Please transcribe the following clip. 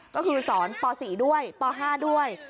ก็คือสอนป๔ด้วยป๕ด้วย